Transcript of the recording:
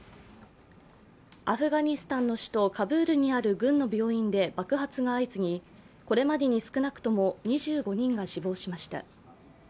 アフガニスタンの首都カブールにある軍の病院で爆発が相次ぎこれまでに少なくとも２５人が死亡しました。